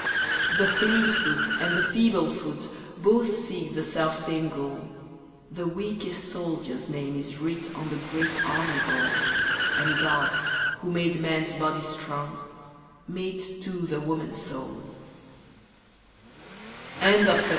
The fleet foot and the feeble foot Both seek the self same goal, The weakest soldier's name is writ On the great army roll, And God, who made man's body strong, made too the woman's soul SOLSTICE.